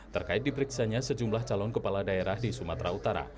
terkait diperiksanya sejumlah calon kepala daerah di sumatera utara